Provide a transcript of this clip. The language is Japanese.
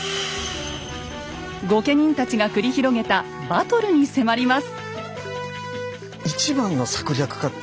御家人たちが繰り広げたバトルに迫ります。